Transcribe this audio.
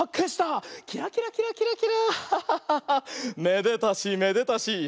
めでたしめでたし。